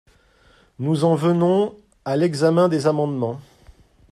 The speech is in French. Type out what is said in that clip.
Nous en venons à l’examen des amendements.